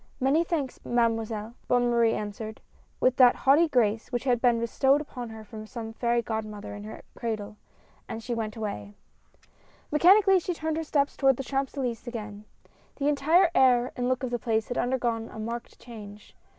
"Many thanks. Mademoiselle," Bonne Marie an swered, with that haughty grace which had been bestowed upon her from some fairy godmother in her cradle, and she went away. 74 MADEMOISELLE B E S L I N . Mechanically, she turned her steps towards the Champs Elys^es again. The entire air and look of the place had undergone a marked change.